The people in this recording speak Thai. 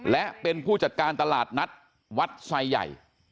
และเป็นผู้จัดการตลาดนัดวัดไซใหญ่